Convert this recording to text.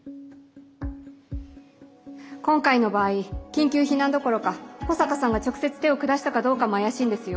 今回の場合緊急避難どころか保坂さんが直接手を下したかどうかも怪しいんですよ。